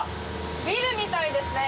ビルみたいですね